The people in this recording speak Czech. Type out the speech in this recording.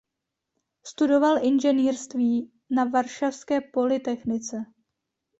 Studoval inženýrství na Varšavské polytechnice.